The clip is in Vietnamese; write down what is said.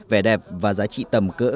vẻ đẹp và giá trị tầm cỡ